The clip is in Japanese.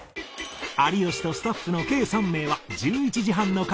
有吉とスタッフの計３名は１１時半の回に予約